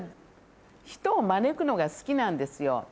人を招くのが好きなんですよ。